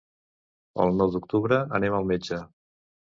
El nou d'octubre anem al metge.